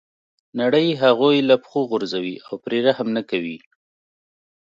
نړۍ هغوی له پښو غورځوي او پرې رحم نه کوي.